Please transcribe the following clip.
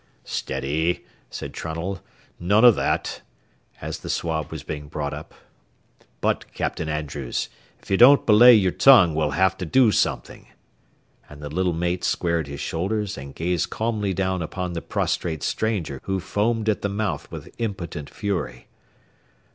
"Steady," said Trunnell, "none of that," as the swab was being brought up. "But, Captain Andrews, if you don't belay your tongue we'll have to do something." And the little mate squared his shoulders, and gazed calmly down upon the prostrate stranger who foamed at the mouth with impotent fury.